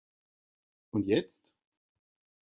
Und jetzt?